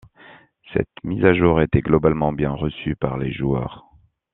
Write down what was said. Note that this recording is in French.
Cette mise à jour été globalement bien reçue par les joueurs.